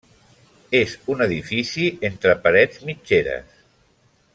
És un edifici entre parets mitgeres.